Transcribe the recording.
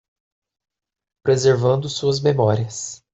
Preservando suas memórias